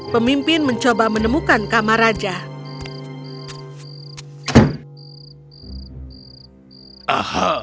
pemimpin mencoba menemukan kamar raja